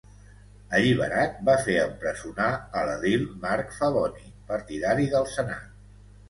Alliberat, va fer empresonar a l'edil Marc Favoni, partidari del senat.